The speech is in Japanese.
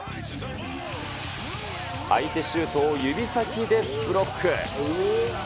相手シュートを指先でブロック。